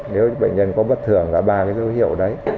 nếu bệnh nhân có bất thường cả ba cái dấu hiệu đấy